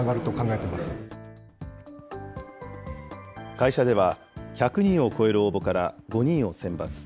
会社では、１００人を超える応募から５人を選抜。